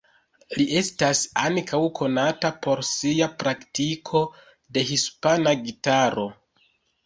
Li estas ankaŭ konata por sia praktiko de hispana gitaro.